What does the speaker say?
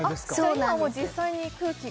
今はもう実際に空気が？